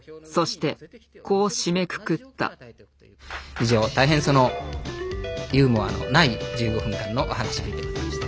以上大変そのユーモアのない１５分間のお話しぶりでございました。